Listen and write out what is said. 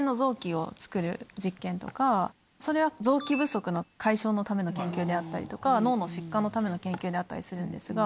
それは臓器不足の解消のための研究であったりとか脳の疾患のための研究であったりするんですが。